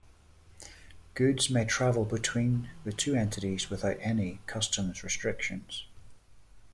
Goods may travel between the two entities without any customs restrictions.